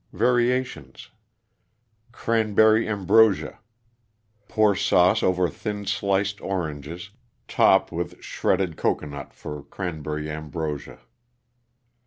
VARIATIONS =Cranberry Ambrosia.= Pour sauce over thin sliced oranges, top with shredded cocoanut for Cranberry Ambrosia.